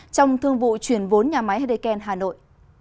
trong thương vụ chuyển vốn nhà máy henneken hà nội